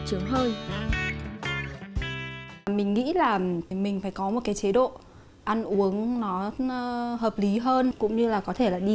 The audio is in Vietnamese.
mình nghĩ là mình phải có một cái chế độ ăn uống nó hợp lý hơn cũng như là có thể là đi